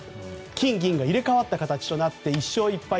金、銀が入れ替わった形となって１勝１敗。